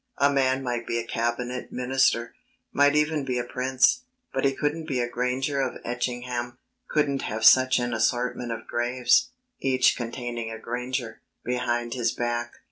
A man might be a cabinet minister, might even be a prince, but he couldn't be a Granger of Etchingham, couldn't have such an assortment of graves, each containing a Granger, behind his back.